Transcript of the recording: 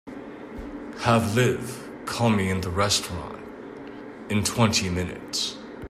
Have Liv call me in the restaurant in twenty minutes.